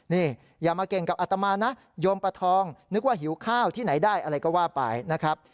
นี่อย่ามาเก่งกับอัตมานะโยมปะทองนึกว่าหิวข้าวที่ไหนได้อะไรก็ว่าไปนะครับ